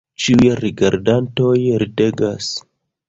Ĉiuj rigardantoj ridegas.